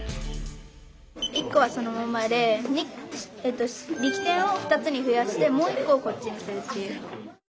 １個はそのままで力点を２つに増やしてもう一個をこっちにするっていう。